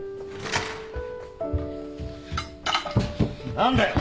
何だよ！？